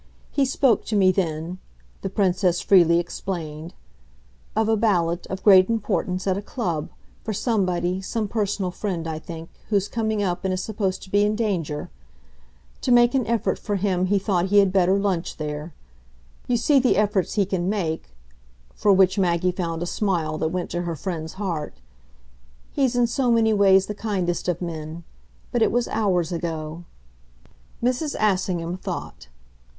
He spoke to me then," the Princess freely explained, "of a ballot, of great importance, at a club for somebody, some personal friend, I think, who's coming up and is supposed to be in danger. To make an effort for him he thought he had better lunch there. You see the efforts he can make" for which Maggie found a smile that went to her friend's heart. "He's in so many ways the kindest of men. But it was hours ago." Mrs. Assingham thought.